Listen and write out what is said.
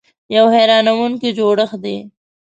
یو حیرانونکی جوړښت دی .